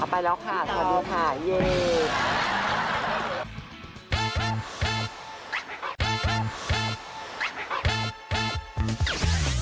ไปแล้วค่ะสวัสดีค่ะเย่